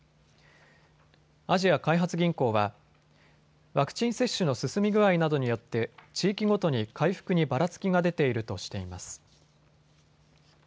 アジア開発銀行は、ワクチン接種の進み具合などによって地域ごとに回復にばらつきが出ているとしています。